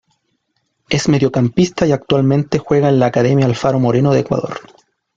Es mediocampista y actualmente juega en la Academia Alfaro Moreno de Ecuador.